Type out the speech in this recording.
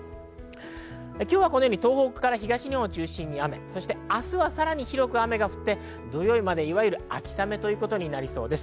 今日は東北から東日本を中心に雨、明日はさらに広く雨が降って土曜日までいわゆる秋雨ということになりそうです。